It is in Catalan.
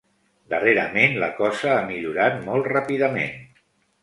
Darrerament la cosa ha millorat molt ràpidament.